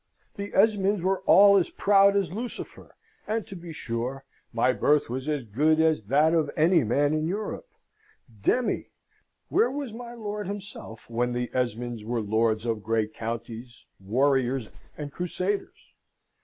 The Esmonds were all as proud as Lucifer; and, to be sure, my birth was as good as that of any man in Europe. Demmy! Where was my lord himself when the Esmonds were lords of great counties, warriors, and Crusaders?